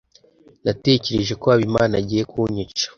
Natekereje ko Habimana agiye kunyica.